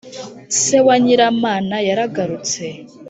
se wa nyiramana yaragarutse